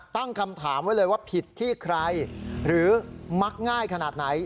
ตั้งคำถามไว้เลยว่าผิดที่ใครหรือมักง่ายขนาดไหน